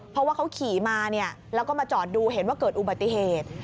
เพราะว่าเขาขี่มาแล้วก็มาจอดดูเห็นว่าเกิดอุบัติเหตุ